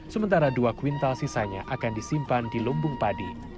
sementara dua kuintal sisanya akan disimpan di lumbung padi